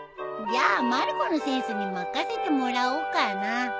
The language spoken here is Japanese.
じゃあまる子のセンスに任せてもらおうかな。